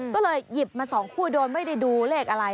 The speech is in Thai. ก็เลยหยิบมา๒คู่โดยไม่ได้ดูเลขอะไร